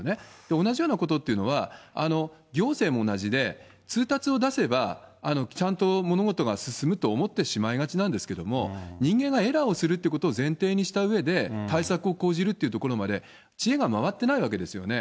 同じようなことっていうのは、行政も同じで、通達を出せば、ちゃんと物事が進むと思ってしまいがちなんですけれども、人間がエラーをするっていうことを前提にしたうえで、対策を講じるというところまで知恵が回ってないわけですよね。